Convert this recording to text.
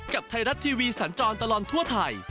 กับไทยรัฐทีวีสันจรตลอดทั่วไทย